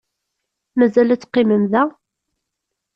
Mazal ad teqqimem da?